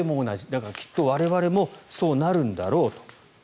だから、きっと我々もそうなるんだろうと。